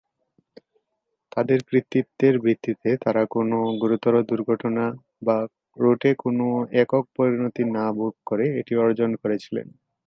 তাদের কৃতিত্বের ভিত্তিতে তারা কোনও গুরুতর দুর্ঘটনা বা রুটে কোনও একক পরিণতি না ভোগ করে এটি অর্জন করেছিলেন।